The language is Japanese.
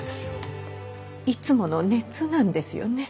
いつもの熱なんですよね？